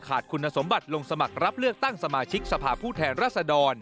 คุณสมบัติลงสมัครรับเลือกตั้งสมาชิกสภาพผู้แทนรัศดร